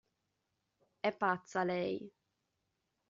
È pazza, lei!